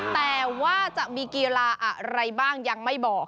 แต่ว่าจะมีกีฬาอะไรบ้างยังไม่บอก